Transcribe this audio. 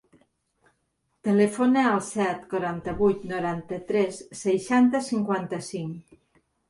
Telefona al set, quaranta-vuit, noranta-tres, seixanta, cinquanta-cinc.